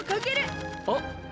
あっ！